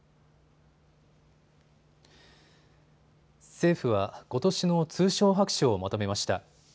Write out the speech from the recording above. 政府はことしの通商白書をまとめました。